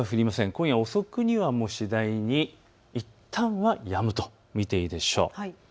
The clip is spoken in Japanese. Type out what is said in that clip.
今夜遅くには次第にいったんはやむと見ていいでしょう。